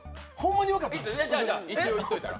一応いっといたら？